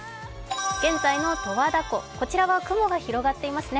現在の十和田湖、こちらは雲が広がっていますね。